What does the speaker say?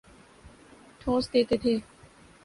ﭨﮭﻮﻧﺲ ﺩﯾﺘﮯ ﺗﮭﮯ